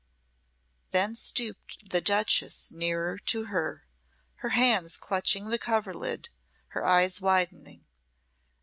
Then stooped the duchess nearer to her, her hands clutching the coverlid, her eyes widening.